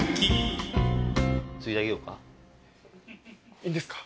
いいんですか？